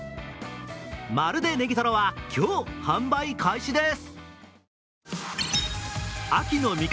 まるでネギトロは今日、販売開始です。